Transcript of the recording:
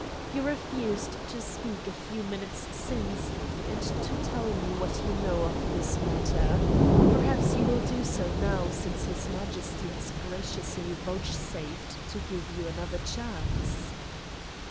"You refused to speak a few minutes since, and to tell me what you know of this matter. Perhaps you will do so now since his Majesty has graciously vouchsafed to give you another chance."